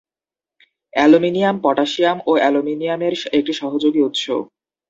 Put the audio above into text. Aluminium potassium ও অ্যালুমিনিয়ামের একটি সহযোগী উৎস।